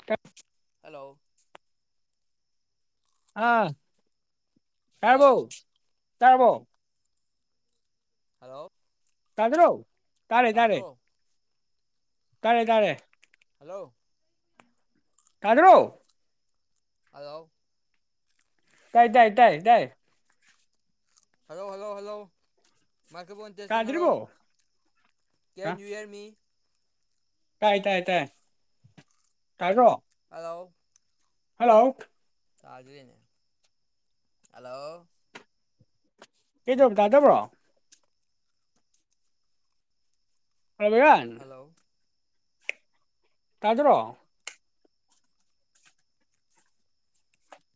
[unintelligible] hello ꯑꯥ ꯇꯥꯔꯕꯣ hello ꯇꯥꯔꯕꯣ ꯍꯜꯂꯣ ꯇꯥꯗꯔꯣ ꯇꯥꯔꯦ ꯇꯥꯔꯦ ꯇꯥꯗ꯭ꯔꯣ ꯇꯥꯔꯦ ꯇꯥꯔꯦ ꯍꯜꯂꯣ ꯇꯥꯗꯥꯔꯣ ꯍꯜꯂꯣ ꯇꯥꯏ ꯇꯥꯏ ꯇꯥꯏ ꯇꯥꯏ hello hello hello microphone testing hello ꯇꯥꯗ꯭ꯔꯤꯕꯣ ꯀꯦꯟ ꯌꯨ ꯍꯤꯔ꯭ꯌ ꯃꯤ ꯇꯥꯏ ꯇꯥꯏ ꯇꯥꯏ ꯇꯥꯗ꯭ꯔꯣ ꯍꯜꯂꯣ ꯍꯜꯂꯣ ꯇꯥꯗ꯭ꯔꯦꯅꯦ ꯍꯜꯂꯣ [inaudible] ꯇꯗꯕ꯭ꯔꯣ [inaudible] ꯔꯟ ꯍꯜꯂꯣ ꯇꯥꯗ꯭ꯔꯣ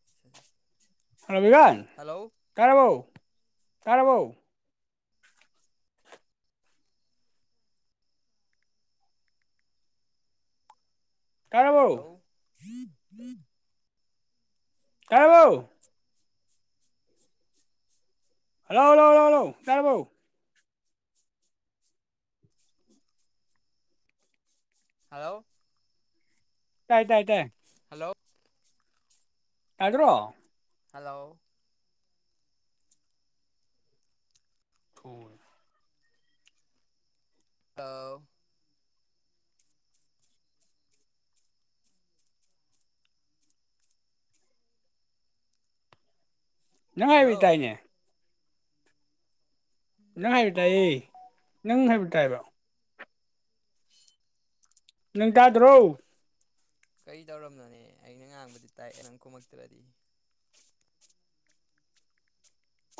[unintelligible] ꯍꯜꯂꯣ ꯕꯤꯔꯣꯟ ꯇꯥꯔꯕꯣ ꯇꯥꯔꯕꯣ ꯇꯥꯔꯕꯣ ꯍꯜꯂꯣ ꯍꯜꯂꯣ ꯇꯥꯔꯕꯣ ꯍꯜꯂꯣ ꯍꯜꯂꯣ ꯍꯜꯂꯣ ꯍꯜꯂꯣ ꯇꯥꯔꯕꯣ ꯍꯜꯂꯣ ꯇꯥꯏ ꯇꯥꯏ ꯇꯥꯏ ꯍꯜꯂꯣ ꯇꯥꯗ꯭ꯔꯣ ꯍꯜꯂꯣ [unintelligible] ꯍꯜꯂꯣ ꯅꯪ ꯍꯥꯏꯕꯗꯤ ꯍꯜꯂꯣ ꯇꯥꯏꯅꯦ ꯅꯪ ꯍꯥꯏꯕ ꯇꯥꯏꯌꯦ ꯅꯪ ꯍꯥꯏꯕ ꯇꯥꯏꯕ ꯅꯪ ꯇꯥꯗ꯭ꯔꯣ ꯀꯩ ꯇꯧꯔꯕꯅꯣꯅꯦ ꯑꯩꯅ ꯉꯥꯡꯕꯗꯤ ꯇꯥꯏ ꯅꯪ ꯈꯨꯝꯃꯛꯇ꯭ꯔꯗꯤ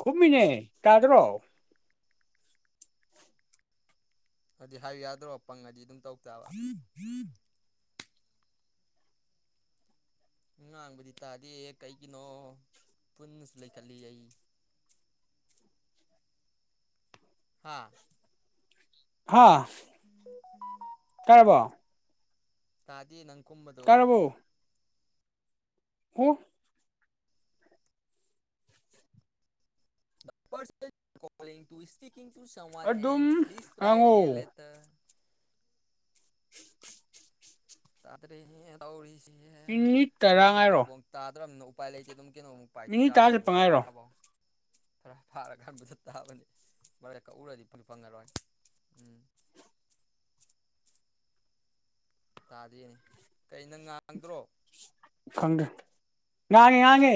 ꯈꯨꯝꯃꯤꯅꯦ ꯇꯥꯗ꯭ꯔꯣ ꯑꯗꯨꯗꯤ ꯍꯥꯏꯌꯨ ꯌꯥꯗ꯭ꯔꯣ ꯄꯪꯉꯗꯤ ꯑꯗꯨꯝ ꯇꯧ ꯇꯥꯕ [unintelligible] ꯉꯥꯡꯕꯗꯤ ꯇꯥꯗꯦ ꯀꯩꯒꯤꯅꯣ ꯐꯨꯜꯗꯁꯨ ꯂꯩꯈꯠꯂꯤ ꯑꯩ ꯍꯥꯥ ꯍꯥꯥ [unintelligible] ꯇꯥꯔꯕꯣ ꯇꯥꯗꯦ ꯅꯪ ꯈꯨꯝꯕꯗꯣ ꯇꯥꯔꯕꯣ [inaudible] [unintelligible] two speaking to someone ꯑꯗꯨꯝ ꯑꯦꯟ ꯄ꯭ꯂꯤꯖ ꯇ꯭ꯔꯥꯏ ꯑꯒꯦꯟ ꯉꯥꯡꯉꯣ ꯂꯦꯇꯔ ꯇꯥꯗ꯭ꯔꯦꯍꯦ ꯇꯧꯔꯤꯁꯦ ꯃꯤꯅꯤꯠ ꯑꯗꯨꯝ ꯇꯔꯥ ꯉꯥꯏꯔꯣ [inaudible] ꯇꯥꯗ꯭ꯔꯕꯅꯤꯅ ꯎꯄꯥꯏ ꯂꯩꯇꯦ ꯑꯗꯨꯝ ꯀꯩꯅꯣ ꯄꯥꯏ ꯇꯥꯃꯤ ꯇꯔꯥ ꯆꯠꯄ ꯃꯤꯅꯤꯠ ꯉꯥꯏꯔꯣ ꯇꯔꯥꯐꯧ ꯈꯔ ꯐꯥꯔꯀꯥꯟ [inaudible] ꯇꯥꯕꯅꯤ ꯃꯔꯛꯇ ꯀꯛꯎꯔꯗꯤ [inaudible] ꯐꯪꯉꯔꯣꯏ ꯎꯝ ꯇꯥꯗꯦꯅꯦ ꯀꯩꯅꯣꯅꯪ ꯉꯥꯡꯗ꯭ꯔꯣ ꯈꯪꯗ꯭ꯔꯦ ꯉꯥꯡꯉꯦ ꯉꯥꯡꯉꯦ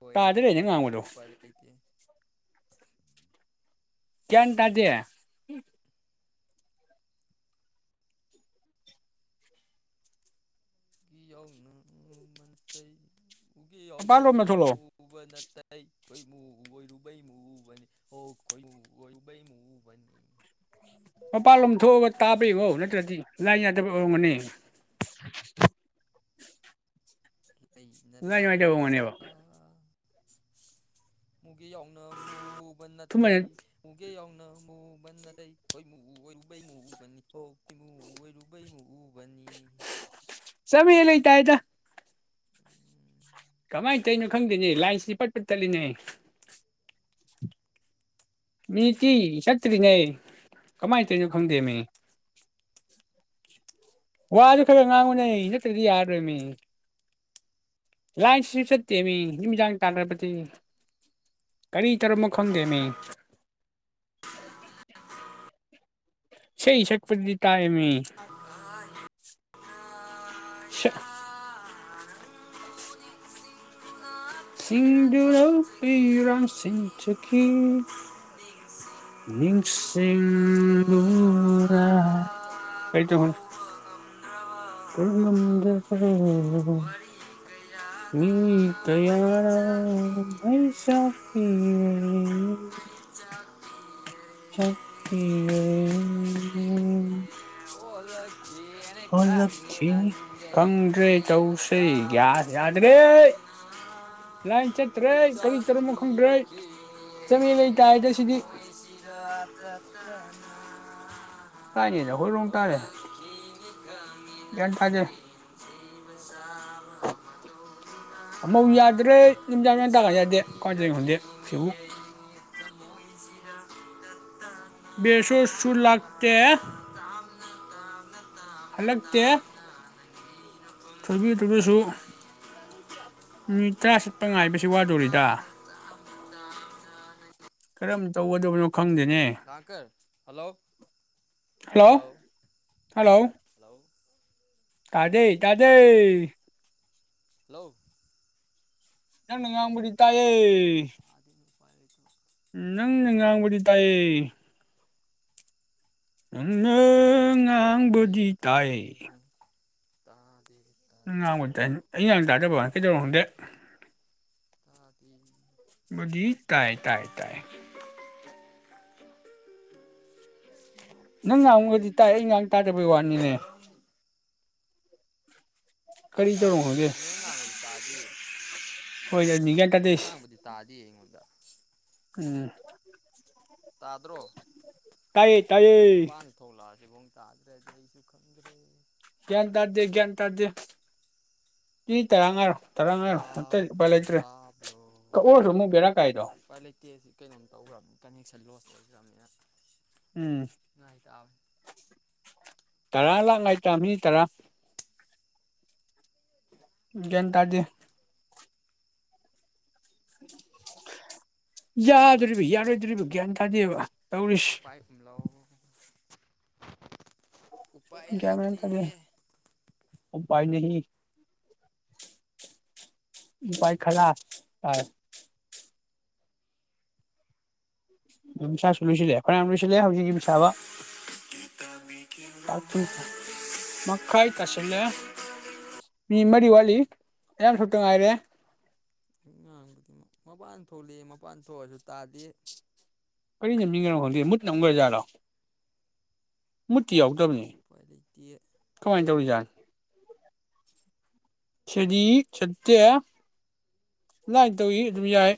ꯍꯣꯏ ꯇꯥꯗ꯭ꯔꯦ ꯑꯗꯨ ꯅꯪ ꯅꯠꯇꯗ ꯉꯥꯡꯕꯗꯣ ꯎꯄꯥꯏ ꯂꯩꯇꯦ ꯒꯌꯥꯟ ꯇꯥꯗꯦ ꯃꯄꯥꯟꯂꯣꯝꯗ [unintelligible] ꯊꯣꯛꯂꯛꯑꯣ ꯃꯨꯕ ꯅꯠꯇꯦ ꯈꯣꯏꯃꯨ ꯑꯣꯏꯔꯨꯕꯩ ꯃꯨꯕꯅꯤ ꯍꯣ ꯈꯣꯏꯃꯨ ꯑꯣꯏꯔꯨꯕꯩ ꯃꯨꯕꯅꯤ [unintelligible] ꯃꯄꯥꯟꯂꯣꯝ ꯊꯣꯛꯑꯒ ꯇꯥꯕꯔ ꯌꯦꯡꯉꯣ ꯅꯠꯇ꯭ꯔꯗꯤ ꯂꯥꯏꯟ ꯌꯥꯗꯕꯩ ꯑꯣꯏꯔꯝꯒꯅꯤ ꯂꯩꯅ ꯂꯥꯏꯟ ꯅꯨꯡꯉꯥꯏꯇꯕ ꯂꯥꯟꯅ ꯑꯣꯏꯔꯝꯒꯅꯦꯕ ꯁꯥꯏ ꯃꯨꯒꯦ ꯌꯧꯅ ꯃꯨꯕ ꯅꯠꯇꯦ ꯊꯨꯃꯥꯏꯅ ꯃꯨꯒꯦ ꯌꯥꯎꯅ ꯃꯨꯕ ꯅꯠꯇꯦ ꯈꯣꯏꯃꯨ ꯑꯣꯏꯔꯨꯕꯩ ꯃꯨꯕꯅꯤ ꯍꯣ ꯈꯣꯏꯃꯨ ꯑꯣꯏꯔꯨ ꯕꯩ ꯃꯨꯕꯅꯤ ꯆꯥꯃꯦꯂꯩ ꯇꯥꯏꯗꯥ [unintelligible] ꯀꯃꯥꯏ ꯇꯧꯔꯤꯅꯣ ꯈꯪꯗꯦꯅꯦ ꯂꯥꯏꯁꯤ ꯄꯠꯄꯠ ꯇꯠꯂꯤꯅꯦ ꯃꯤꯅꯤꯠꯇꯤ ꯆꯠꯇ꯭ꯔꯤꯅꯦ ꯀꯃꯥꯏ ꯇꯧꯏꯅꯣ ꯈꯪꯗꯦ ꯃꯦ ꯋꯥꯗꯨ ꯈꯔ ꯉꯥꯡꯉꯨꯅꯦ ꯅꯠꯇ꯭ꯔꯗꯤ ꯌꯥꯔꯣꯏꯃꯤ ꯂꯥꯏꯟꯁꯤꯁꯨꯓ ꯆꯠꯇꯦꯃꯤ ꯅꯨꯃꯤꯗꯥꯡ ꯇꯥꯗ꯭ꯔꯕꯗꯤ ꯀꯔꯤ ꯇꯧꯔꯝꯃꯣ ꯈꯪꯗꯦ ꯃꯤ ꯏꯁꯩ ꯁꯛꯄꯗꯤ ꯇꯥꯏꯃꯤ [unintelligible] [unintelligible] ꯁꯤꯡꯗꯨꯔ ꯄꯤꯔꯥꯡ ꯁꯤꯟꯊꯥꯈꯤ [unintelligible] [unintelligible] [unintelligible] [unintelligible] [unintelligible] [unintelligible] [inaudible] ꯍꯜꯂꯛꯈꯤꯅꯤ ꯈꯪꯗ꯭ꯔꯦ ꯇꯧꯁꯦ ꯌꯥꯗ꯭ꯔꯦ ꯂ ꯆꯠ꯭ꯔꯦ ꯆ ꯄꯤꯔꯃꯁꯤ ꯆꯃꯦ ꯂꯩ ꯇꯥꯏꯗ ꯁꯤꯗꯤ ꯏꯔꯥꯗꯠꯇꯅ ꯇꯥꯏꯅꯦꯅꯦ ꯑꯩꯈꯣꯏ ꯔꯣꯡ ꯇꯥꯔꯦ ꯀ ꯀꯃꯤ ꯀꯅ ꯊꯥꯖꯦ ꯁꯤꯕ ꯁꯥꯕ ꯇ ꯑꯃꯧ ꯌꯥꯗ꯭ꯔꯦ ꯂꯝꯨꯝꯖꯥꯎ ꯋꯥ ꯇ ꯌꯥꯗꯦ ꯀ꯭ꯋꯥꯏꯗ ꯈꯪꯗꯦ ꯁꯤꯕꯨ ꯆ ꯃꯣꯏꯁꯤꯔ ꯇ ꯇꯅ ꯦꯁꯁ ꯂꯥꯛꯇ ꯍꯂꯛꯛꯇ ꯊꯣꯏꯕꯤꯗꯨ꯭ꯔꯒꯁꯨ ꯎ ꯅꯨꯃꯤꯠ ꯇꯔꯥ ꯆꯠꯄ ꯉꯥꯏꯕꯁꯤ ꯋꯥꯗꯣꯔꯤꯗ ꯈꯔꯦ ꯇꯧ ꯥꯡꯀꯔ ꯍꯜꯂꯣ ꯍꯜꯂꯣ ꯍꯂꯣ ꯇꯥꯖꯩ ꯇꯥꯖꯩ ꯍꯜꯂꯣ ꯌꯥꯝꯟꯅ ꯉ ꯄꯨ ꯇꯑꯦ ꯑꯗ ꯎꯄꯥꯥꯏꯨ ꯎ ꯅꯪꯪ ꯉꯥꯡꯕꯨꯗꯤ ꯇꯥꯏꯌꯦ ꯑ ꯇꯥꯗꯦ ꯇꯥꯗꯦ ꯇꯥꯗꯦ ꯇꯥ ꯉꯥꯡꯕꯗꯤ ꯑꯩ ꯉ ꯇꯥꯗꯕ ꯀꯩꯗꯧꯔꯣꯪꯗꯦ ꯇꯥꯗꯤ ꯃꯗꯤ ꯇꯥꯏ ꯇꯥꯏ ꯇꯥꯏ ꯅꯪ ꯉꯥꯡꯨꯒꯗꯤ ꯇꯥꯛ ꯑꯩ ꯉꯥꯡ ꯇꯥꯗꯕꯩ ꯋꯥꯠꯅꯤꯅꯦ ꯑꯩ ꯀꯔꯤ ꯇꯧꯔꯝꯅꯣ ꯉꯥꯡꯕꯗꯤ ꯈꯪꯗꯦ ꯆꯥꯏꯅꯤ ꯅ ꯉꯥꯡꯕꯗꯤ ꯍꯣꯏ ꯑꯗꯨꯅꯤ ꯒ꯭ꯌꯥꯟ ꯇꯥꯗꯦ ꯇꯥꯗ ꯉꯥꯡꯕꯗꯤ ꯇꯥꯗꯤ ꯌꯦꯡꯉꯣꯟꯗ ꯎꯝ ꯇꯥꯗ꯭ꯔꯣ ꯇꯥꯏꯌꯦ ꯇꯥꯏ ꯊꯣꯛꯂꯛꯑꯁꯤꯐ ꯇꯥꯗ꯭ꯔꯗꯤ ꯑꯩꯁꯨ ꯈꯪꯗ꯭ꯔꯦ ꯒ꯭ꯌꯥꯟ ꯇꯥꯗꯦ ꯒ꯭ꯌꯥꯟ ꯇꯥꯗꯦ ꯀ ꯇꯔꯥ ꯉꯔꯣ ꯇꯔꯥꯉꯥꯏꯔꯣ ꯑꯇꯩ ꯂꯨꯄꯥꯏ ꯇꯥꯕ꯭ꯔꯣ ꯂꯩꯇ꯭ꯔꯦ ꯀꯛꯑꯣꯔꯁꯨ ꯑꯃꯨꯛ ꯕꯦꯔꯥ ꯀꯥꯏꯗꯣ ꯎꯄꯄꯥꯥꯏ ꯂꯩꯇꯦ ꯑꯁꯤ ꯀꯩꯅꯣꯝ ꯇꯧꯈ꯭ꯔꯕꯅꯤ ꯀꯅꯦꯛꯁꯟ ꯂꯣꯁ ꯑꯣꯏꯈ꯭ꯔꯕꯅꯤꯅ ꯎꯝ ꯉꯥꯏ ꯇꯥꯕꯅꯤ ꯇꯔꯥ ꯂꯥꯛ ꯉꯏꯇꯥ ꯃꯤ ꯇꯔꯥ ꯎ ꯒꯦꯟ ꯇꯔꯗꯤ ꯎꯄꯥꯏ ꯌꯥꯗꯣꯔꯤꯕ ꯎꯝꯂꯧ ꯌꯥꯔꯣꯏꯗꯣꯔꯤꯕ ꯒ꯭ꯌꯥꯟ ꯇꯥꯗꯦꯕ ꯇꯧꯔꯤꯁꯤ ꯝꯂꯥꯎ ꯎꯄꯥꯏ ꯂꯩꯇꯦ ꯑꯣ ꯄꯥꯏꯅꯦ ꯎꯄꯥꯏ ꯈꯂ ꯑ ꯑꯗꯨꯝꯁꯥꯁꯨ ꯂꯣꯏꯁꯤꯜꯂꯦ ꯍꯔꯌꯥꯝ ꯌꯥꯝ ꯂꯣꯏꯁꯤꯜꯂꯦ ꯍꯧꯛꯀꯤ ꯃꯤꯁꯥꯕ [unintelligible] ꯃꯤ ꯃꯔꯤ ꯋꯥꯠꯂꯤ ꯌꯥꯝ ꯁꯨꯇ ꯉꯥꯏꯔꯦ ꯉꯥꯡꯕꯗꯤ ꯃꯄꯥꯟ ꯊꯣꯛꯂꯑ ꯃꯄꯥꯟ ꯊꯣꯛꯑꯁꯨ ꯇꯥꯜꯂꯤ ꯀꯔꯤ ꯅ ꯃꯤꯒꯅꯣ ꯈꯪꯗꯦ ꯃꯨꯠ ꯅꯝꯈ꯭ꯔ ꯖꯥꯠꯔꯣ ꯃꯨꯠꯇꯤ ꯌꯥꯎꯗꯕꯅꯤ ꯄꯂꯤꯛꯇ ꯀꯃꯥꯏꯟ ꯇꯧꯔꯤꯖꯥꯠ ꯁꯤꯗꯗꯤ ꯁꯦꯠꯇꯦ ꯑꯗꯨꯃꯥꯏꯟ ꯇꯧꯋꯤ ꯑꯗꯨꯝ ꯌꯥꯏ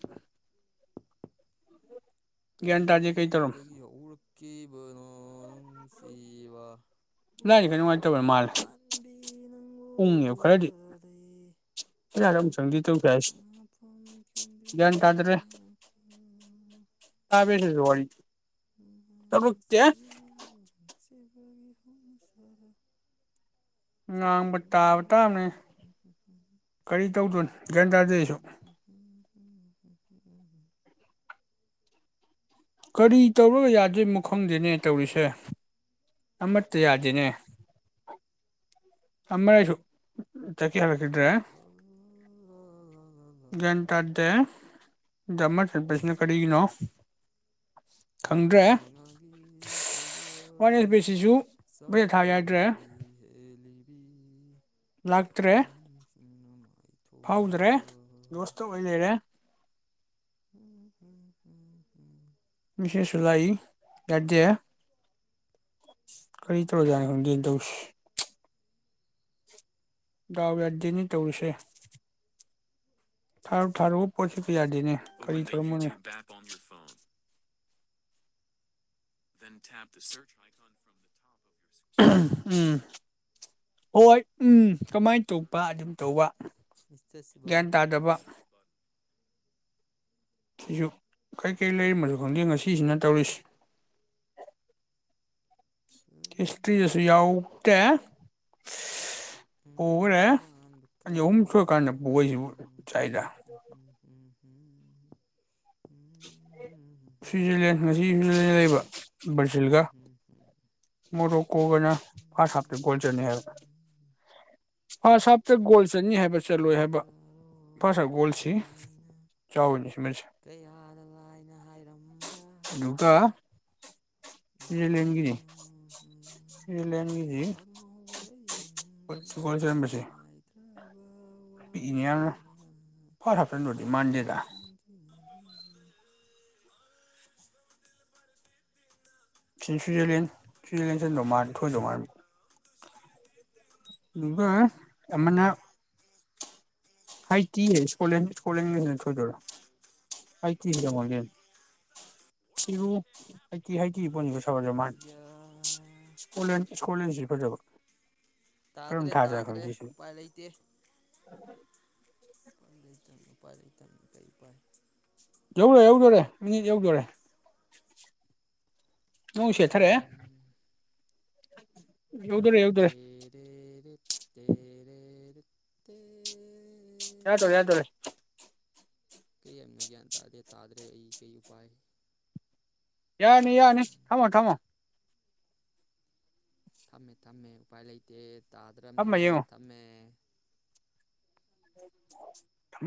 ꯒ꯭ꯌꯥꯟ ꯇꯥꯗꯦ ꯀꯩ ꯇꯧꯔꯝ ꯀꯔꯤꯗꯒꯤ ꯍꯧꯔꯛꯈꯤꯕꯅꯣ ꯅꯨꯡꯁꯤꯕ ꯂꯥꯏꯟꯁꯦ ꯈꯔ ꯅꯨꯡꯉꯥꯏꯇꯕ ꯃꯥꯜꯂꯦ ꯂꯝꯂꯥꯟꯕꯤ ꯅꯪꯕꯨ ꯎꯔꯨꯕꯗꯩ ꯀꯔꯥꯏꯗ ꯑꯃꯨꯛ ꯆꯪꯗꯣꯏ ꯇꯧ ꯄꯣꯊꯥꯐꯝ ꯈꯪꯗꯦ ꯇꯥꯗ꯭ꯔꯦ ꯑꯩꯒꯤ ꯋꯥꯈꯟ ꯇꯕ꯭ꯔꯥ ꯁꯤꯁꯨ ꯋꯥꯔꯤ ꯊꯣꯛꯂꯛꯇꯦ ꯃꯥꯁꯤꯕꯨ ꯅꯨꯡꯁꯤꯕꯒꯤ ꯍꯧꯅꯁꯥꯔꯥ ꯉꯥꯡꯕ ꯇꯥꯕ ꯇꯥꯕꯅꯤ ꯀꯔꯤ ꯇꯧꯗꯣꯏꯅꯣ ꯒ꯭ꯌꯥꯟ ꯇꯥꯗꯦ ꯑꯩꯁꯨ ꯎꯝ ꯎ ꯎꯝ ꯀꯔꯤ ꯇꯧꯔꯒ ꯌꯥꯗꯣꯏꯃꯣ ꯈꯪꯗꯦꯅꯦ ꯇꯧꯔꯤꯁꯦ ꯑꯃꯠꯇ ꯌꯥꯗꯦꯅꯦ ꯑꯝꯃꯔꯥꯁꯨ ꯆꯀꯤ [unintelligible] ꯂꯥ ꯂꯥ ꯂꯥ ꯒ꯭ꯌꯥꯟ ꯇꯥꯗꯦ ꯗꯃ ꯆꯠꯄꯁꯤꯅ ꯀꯔꯤꯒꯤꯅꯣ ꯈꯪꯗ꯭ꯔꯦ ꯋꯥꯟ ꯑꯦꯁ ꯕꯤꯁꯤꯁꯨ [unintelligible] ꯕꯦꯠ ꯊꯥ ꯌꯥꯗ꯭ꯔꯦ ꯆꯥꯃꯥꯗꯒꯤ ꯍꯦꯜꯂꯤꯕꯤ ꯂꯥꯛꯇ꯭ꯔꯦ [unintelligible] ꯃꯥꯏꯊꯣꯡꯗ ꯈꯣꯏ ꯂꯩꯔꯦ [unintelligible] ꯉꯥꯁꯤꯁꯨ ꯂꯩ ꯗꯥꯗꯦ ꯀꯔꯤ ꯇꯧꯔꯤꯖꯥꯠꯅꯣ ꯈꯪꯗꯦꯅꯦ ꯇꯧꯔꯤꯁꯦ ꯗꯥꯎ ꯌꯥꯗꯦꯅꯤ ꯇꯧꯔꯤꯁꯦ ꯊꯥꯔꯨ ꯊꯥꯔꯨꯕ ꯄꯣꯠꯁꯤ ꯌꯥꯗꯦꯅꯦ ꯀꯔꯤ ꯇꯧꯔꯝꯃꯣꯅꯦ [unintelligible] [unintelligible] ꯎꯝ ꯍꯣꯏ ꯎꯝ ꯀꯃꯥꯏꯅ ꯇꯧꯄ ꯑꯗꯨꯝ ꯇꯧꯕ ꯏꯁꯇꯁꯤꯕ ꯒ꯭ꯌꯥꯟ ꯇꯥꯗꯕ ꯁꯤꯁꯨ ꯀꯩ ꯀꯩ ꯂꯩꯔꯝꯃꯣꯁꯨ ꯈꯪꯗꯦ ꯉꯁꯤꯁꯤꯅ ꯇꯧꯔꯤꯁꯤ ꯎꯝ ꯏꯁꯇꯔꯤꯗꯁꯨ ꯌꯥꯎꯇꯦ ꯄꯣꯒ꯭ꯔꯦ ꯔꯥꯟꯕ ꯑꯅꯤ ꯑꯍꯨꯝ ꯀꯌꯥ ꯁꯨꯔꯑꯀꯥꯟꯗ ꯄꯣꯏꯁꯤꯕꯨ ꯆꯥꯛꯏꯗ ꯎꯝ ꯎꯝ ꯎꯝ ꯍꯝ ꯁ꯭ꯋꯤꯖꯔꯂꯦꯟ ꯉꯁꯤ ꯁ꯭ꯋꯤꯖꯔꯂꯦꯟꯗ ꯂꯩꯕ ꯕ꯭ꯔꯥꯖꯤꯜꯒ ꯂꯥꯛꯂꯔꯣꯏ ꯃꯣꯔꯣꯀꯣꯒꯅ ꯐꯥꯁ ꯍꯥꯞꯇ ꯒꯣꯜꯆꯟꯅꯤ ꯍꯥꯏ ꯐꯥꯁ ꯍꯥꯞꯇ ꯒꯣꯜ ꯆꯠꯅꯤ ꯍꯥꯏꯕ ꯆꯠꯂꯣꯏ ꯍꯥꯏꯕ ꯐꯥꯁ ꯍꯥꯞ ꯒꯣꯜꯁꯤ ꯍꯥꯏꯅ ꯆꯥꯎꯅꯤꯁ ꯃꯦꯁꯤ ꯀꯌꯥꯗ ꯂꯥꯏꯅ ꯍꯥꯏꯔꯝꯕ ꯑꯗꯨꯒ ꯑꯩꯇꯥꯅ ꯁ꯭ꯋꯤꯖꯔꯂꯦꯟꯒꯤꯅꯤ ꯁ꯭ꯋꯤꯖꯔꯂꯦꯟꯒꯤꯗꯤ [unintelligible] ꯑꯉꯧꯕ ꯑꯩ ꯒꯣꯜ ꯆꯟꯕꯁꯦ ꯂꯣꯏꯅꯥꯏꯗ꯭ꯔꯕ ꯋꯥꯔꯤ ꯀꯌꯥꯥ ꯃꯥꯏ ꯍꯥꯟꯆꯟꯕꯗꯤ ꯃꯥꯟꯗꯦꯗ [unintelligible] ꯁꯤ ꯁ꯭ꯋꯤꯖꯔꯂꯦꯟ ꯁ꯭ꯋꯤꯖꯔꯂꯦꯟ ꯆꯟꯗꯧ ꯃꯥꯂꯤ ꯊꯣꯏꯗꯧ ꯃꯥꯟ ꯅꯨꯕ ꯑꯃꯅ ꯍꯥꯏꯇꯤ ꯏꯀꯣꯠꯂꯦꯟ ꯏꯀꯣꯠꯂꯦꯟ ꯅ ꯊꯣꯏꯗꯣꯏꯔꯣ ꯍꯥꯏꯇꯤ [unintelligible] ꯊꯤꯔꯨ ꯍꯥꯏꯇꯤ ꯍꯥꯏꯇꯤ ꯌꯥ [unintelligible] ꯄꯣꯂꯦꯟ ꯏꯀꯣꯠꯂꯦꯟ ꯁꯤ ꯐꯖꯕ ꯀꯔꯝ ꯇꯥꯗ꯭ꯔꯦ ꯊꯥꯖꯥꯠꯅꯣ ꯇꯥꯗ꯭ꯔꯦ ꯈꯪꯗꯦ ꯁꯤ ꯎꯄꯥꯏ ꯂꯩꯇꯦ ꯏꯄꯥꯏ ꯂꯩꯇꯝꯃꯤ ꯂꯩꯇꯝꯃꯤ ꯀꯔꯤ ꯎꯄꯥꯏ ꯌꯧꯔꯦ ꯌꯧꯗꯣꯔꯦ ꯃꯤꯅꯤꯠ ꯌꯧꯗꯣꯔꯦ ꯅ‌ꯣꯡ ꯁꯦꯠꯊꯔꯛꯑ‌ꯦ ꯎꯝ ꯌꯧꯗꯧꯔꯦ ꯌꯧꯗꯧꯔꯦ ꯇꯦꯔ‌ꯦꯠ ꯇ‌ꯦꯔꯦꯔ‌ꯦ ꯇ‌ꯦꯠ ꯌꯥꯗ‌ꯣꯔ‌ꯦ ꯌꯥꯗ‌ꯣꯔ‌ꯦ ꯀꯔꯤ ꯍꯥꯏꯅꯣ ꯒ꯭ꯌꯥꯟ ꯇꯥꯗꯦ ꯇꯥꯗ꯭ꯔꯦ ꯑꯩ ꯀꯩ ꯎꯄꯥꯏ ꯌꯥꯔꯅꯤ ꯌꯥꯔꯅꯤ ꯊꯝꯃꯣ ꯊꯝꯃꯣ ꯊꯝꯃꯦ ꯊꯝꯃꯦ ꯎꯄꯥꯏ ꯂꯩꯇꯦ ꯊꯝꯃ ꯇꯥꯗ꯭ꯔꯕꯅꯤꯅ ꯌꯦꯡꯉꯣ ꯊꯝꯃꯦ [inaudible]